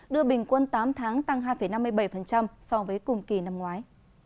đưa bình quân tám tháng tăng hai năm mươi bảy so với cùng kỳ năm ngoái